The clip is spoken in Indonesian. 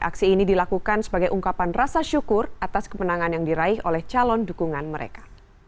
aksi ini dilakukan sebagai ungkapan rasa syukur atas kemenangan yang diraih oleh calon dukungan mereka